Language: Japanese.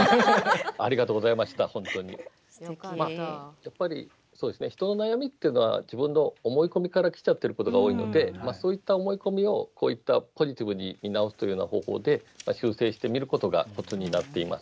やっぱりそうですね人の悩みっていうのは自分の思い込みからきちゃっていることが多いのでそういった思い込みをこういったポジティブに見直すというような方法で修正してみることがコツになっています。